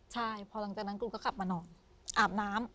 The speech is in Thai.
ใช่พอหลังจากนั้นครูก็ขับมานอนอาบน้ำ